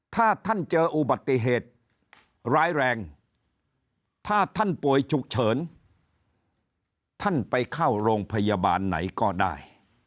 ถ้าท่านเจออุบัติเหตุร้ายแรงถ้าท่านป่วยฉุกเฉินท่านไปเข้าโรงพยาบาลไหนก็ได้